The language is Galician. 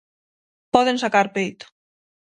Poden sacar peito.